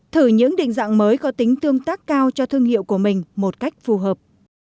thử những định dạng mới có tính tương tác cao cho thương hiệu của mình một cách phù hợp